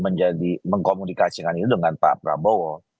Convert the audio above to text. menjadi mengkomunikasikan itu dengan pak prabowo